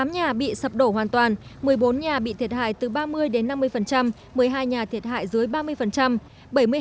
tám nhà bị sập đổ hoàn toàn một mươi bốn nhà bị thiệt hại từ ba mươi đến năm mươi một mươi hai nhà thiệt hại dưới ba mươi